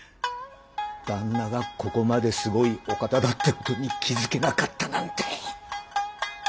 旦那がここまですごいお方だってことに気付けなかったなんて。